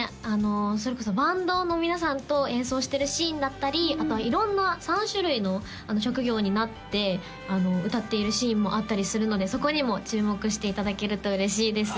それこそバンドの皆さんと演奏してるシーンだったりあとは色んな３種類の職業になって歌っているシーンもあったりするのでそこにも注目していただけると嬉しいです